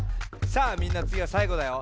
さあみんなつぎはさいごだよ。